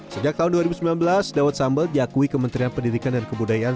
sejak tahun dua ribu sembilan belas dawet sambal diakui kementerian pendidikan dan kebudayaan